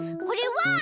これは。